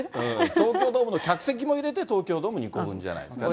東京ドームの客席も入れて、東京ドーム２個分じゃないかな。